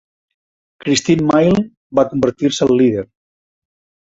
Christine Milne va convertir-se en líder.